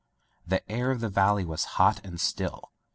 The air of the valley was hot and still.